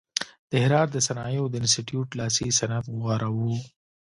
د هرات د صنایعو د انستیتیوت لاسي صنعت غوره و.